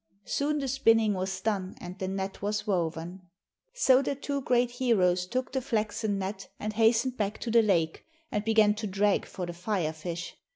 Soon the spinning was done and the net was woven. So the two great heroes took the flaxen net and hastened back to the lake and began to drag for the Fire fish.